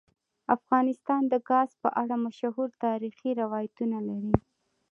افغانستان د ګاز په اړه مشهور تاریخی روایتونه لري.